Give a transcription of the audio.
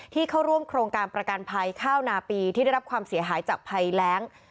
เข้าร่วมโครงการประกันภัยข้าวนาปีที่ได้รับความเสียหายจากภัยแรง